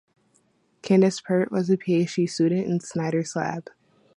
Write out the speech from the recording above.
Candace Pert was a Ph.D. student in Snyder's lab.